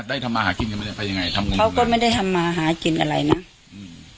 ได้ทำอาหกินมันได้ไปยังไงทำงงมือกันเขาก็ไม่ได้ทำอาหกินอะไรนะอืม